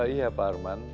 iya pak arman